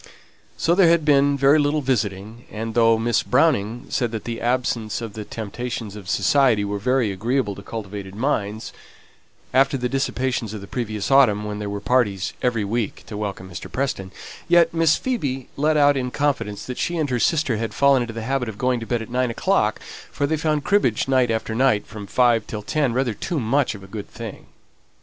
So there had been very little visiting; and though Miss Browning said that the absence of the temptations of society was very agreeable to cultivated minds, after the dissipations of the previous autumn, when there were parties every week to welcome Mr. Preston, yet Miss Phoebe let out in confidence that she and her sister had fallen into the habit of going to bed at nine o'clock, for they found cribbage night after night, from five o'clock till ten, rather too much of a good thing.